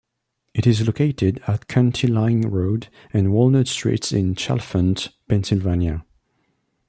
It is located at County Line Road and Walnut Street in Chalfont, Pennsylvania.